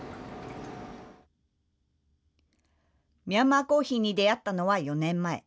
ミャンマーコーヒーに出会ったのは４年前。